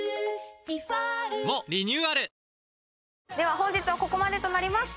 本日はここまでとなります。